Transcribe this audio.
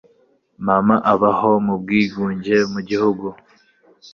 Mama abaho mu bwigunge mu gihugu.